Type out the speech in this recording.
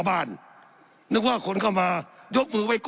สับขาหลอกกันไปสับขาหลอกกันไป